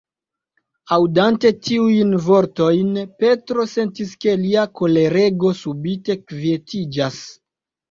Aŭdante tiujn vortojn, Petro sentis, ke lia kolerego subite kvietiĝas.